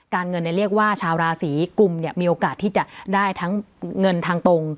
การเงินในเรียกว่าชาวราศรีกลุ่มเนี้ยมีโอกาสที่จะได้ทั้งเงินทางตรง